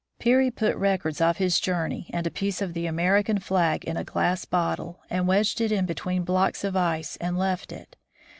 Peary put records of his journey and a piece of the American flag in a glass bottle, and wedged it in between blocks of ice and left it.